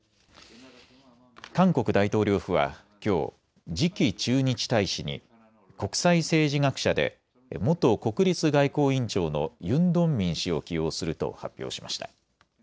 韓国大統領府はきょう次期駐日大使に国際政治学者で元国立外交院長のユン・ドンミン氏を起用すると発表しました。